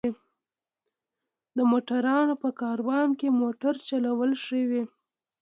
د موټرونو په کاروان کې موټر چلول ښه وي.